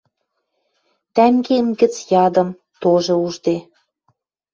Тӓнгем гӹц ядым — тоже ужде.